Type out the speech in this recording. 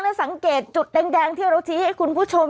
และสังเกตจุดแดงที่เราชี้ให้คุณผู้ชม